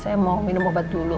saya mau minum obat dulu